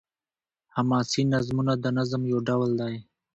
حماسي نظمونه د نظم يو ډول دﺉ.